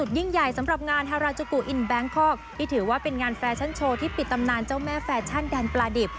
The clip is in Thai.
ที่ถือว่าเป็นงานแฟชั่นโชว์ที่ปิดตำนานเจ้าแม่แฟชั่นแดนปราดิบ